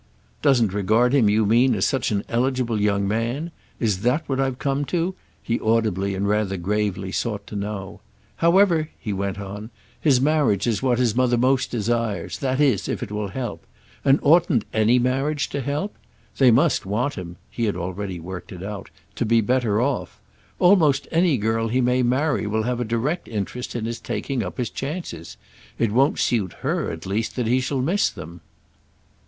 "Doesn't regard him you mean as such an 'eligible' young man? Is that what I've come to?" he audibly and rather gravely sought to know. "However," he went on, "his marriage is what his mother most desires—that is if it will help. And oughtn't any marriage to help? They must want him"—he had already worked it out—"to be better off. Almost any girl he may marry will have a direct interest in his taking up his chances. It won't suit her at least that he shall miss them."